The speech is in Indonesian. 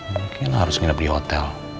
mungkin harus nginep di hotel